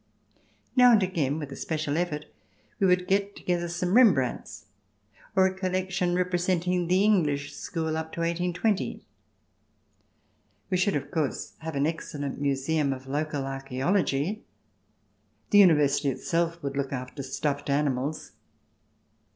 Now and again, with a special effort, we would get together some Rembrandts or a collection representing the English 4 so THE DESIRABLE ALIEN [ch. iv school up to 1820. We should, of course, have an excellent museum of local archaeology. The Univer sity itself would look after stuffed animals.